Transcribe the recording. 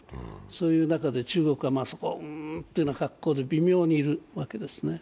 そういう中で中国はうーんって格好で微妙にいるわけですね。